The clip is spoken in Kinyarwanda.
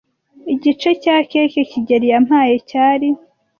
Igice cya cake kigeli yampaye cyari